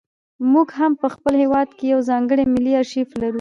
موږ هم په خپل هېواد کې یو ځانګړی ملي ارشیف لرو.